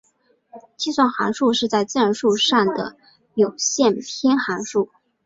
计算函数是在自然数上的有限偏函数。